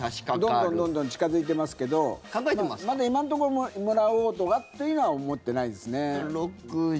どんどん、どんどん近付いてますけどまだ今のところもらおうとかっていうのは思ってないですね。